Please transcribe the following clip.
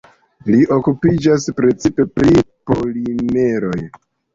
Li okupiĝas precipe pri polimeroj.